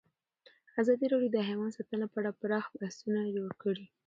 ازادي راډیو د حیوان ساتنه په اړه پراخ بحثونه جوړ کړي.